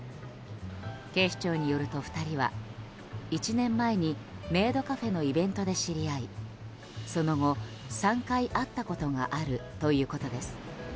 警視庁によると２人は１年前にメイドカフェのイベントで知り合いその後、３回会ったことがあるということです。